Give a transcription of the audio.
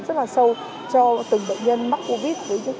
rất là sâu cho từng bệnh nhân mắc covid